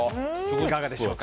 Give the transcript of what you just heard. いかがでしょうか。